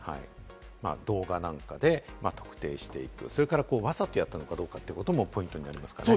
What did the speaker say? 動画なんかで特定していく、それから、わざとやったのかどうかということもポイントですね。